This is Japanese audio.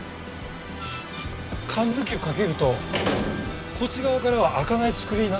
かんぬきを掛けるとこっち側からは開かない作りになってるんだよ。